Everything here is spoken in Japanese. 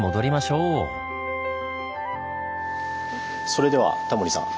それではタモリさん。